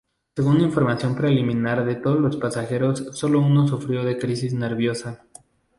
Según información preliminar de todos los pasajeros solo uno sufrió de crisis nerviosa.